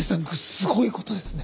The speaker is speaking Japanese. すごいことですね